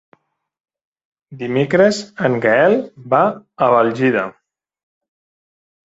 Dimecres en Gaël va a Bèlgida.